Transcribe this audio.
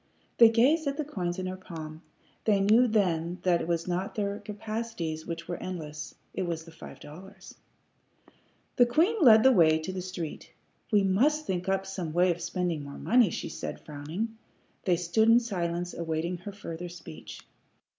They gazed at the coins in her palm. They knew then that it was not their capacities which were endless; it was the five dollars. The queen led the way to the street. "We must think up some way of spending more money," she said, frowning. They stood in silence, awaiting her further speech.